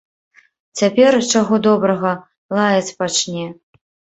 Цяпер, чаго добрага, лаяць пачне.